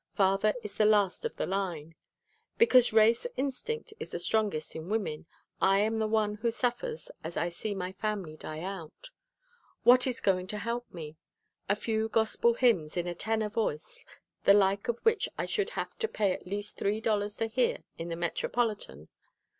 Father is the last of the line. Because race instinct is the strongest in women, I am the one who suffers as I see my family die out. What is going to help me? A few gospel hymns in a tenor voice the like of which I should have to pay at least three dollars to hear in the Metropolitan?